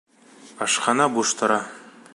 Ашхана буш тора.